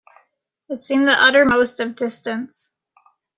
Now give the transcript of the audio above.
It seemed the utter-most of distance.